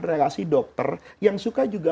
relasi dokter yang suka juga